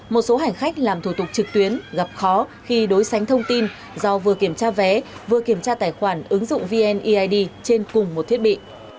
một số hành khách làm thủ tục trực tuyến gặp khó khi đối sánh thông tin do vừa kiểm tra vé vừa kiểm tra tài khoản ứng dụng vneid trên cùng một thiết bị